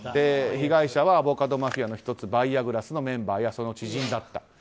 被害者はアボカドマフィアの１つバイアグラスのメンバーやその知人だった。